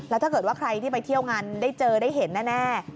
แล้วถ้าเกิดว่าใครที่ไปเที่ยวงานได้เจอได้เห็นแน่